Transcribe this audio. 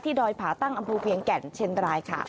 ที่ดอยผาตั้งอัมพูเพียงแก่นเชนดรายค่ะ